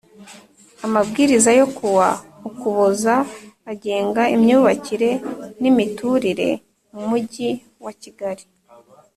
Amabwiriza yo kuwa ukuboza agenga imyubakire n imiturire mu mujyi wa kigali